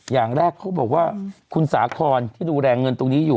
อย่างแรกเขาบอกว่าคุณสาคอนที่ดูแลเงินตรงนี้อยู่